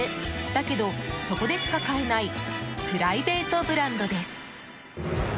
だけどそこでしか買えないプライベートブランドです。